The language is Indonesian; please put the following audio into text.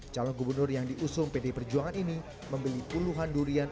calon gubernur yang diusung pd perjuangan ini membeli puluhan durian